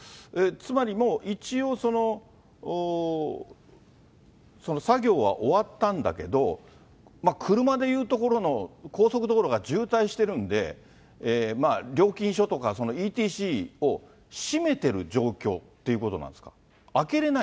つまりもう一応、作業は終わったんだけど、車でいうところの、高速道路が渋滞してるんで、料金所とかＥＴＣを閉めてる状況っていうことなんですか？